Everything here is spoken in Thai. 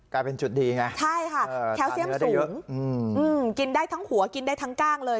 กลายเป็นจุดดีไงใช่ค่ะแคลเซียมสูงกินได้ทั้งหัวกินได้ทั้งกล้างเลย